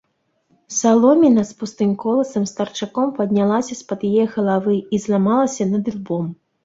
Саломіна з пустым коласам старчаком паднялася з-пад яе галавы і зламалася над ілбом.